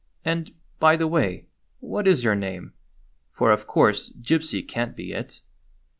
And, by the way, what is your name? For, of course, 'Gypsy' can't be it."